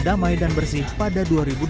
ramai dan bersih pada dua ribu dua puluh empat